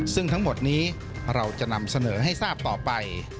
ซึ่งทั้งหมดนี้เราจะนำเสนอให้ทราบต่อไป